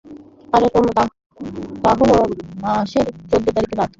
আর তাহলো মাসের চৌদ্দ তারিখের রাত।